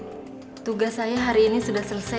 halo bu astrid tugas saya hari ini sudah selesai ya bu